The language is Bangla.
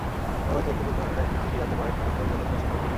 এভাবে চলতে চলতে হঠাৎ একদিন তিনি জানতে পারেন কেঁচো জৈব সার সম্পর্কে।